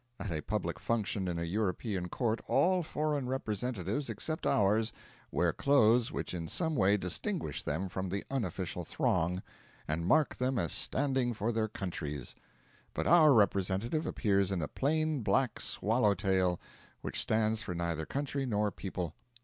At a public function in a European court all foreign representatives except ours wear clothes which in some way distinguish them from the unofficial throng, and mark them as standing for their countries. But our representative appears in a plain black swallow tail, which stands for neither country, nor people.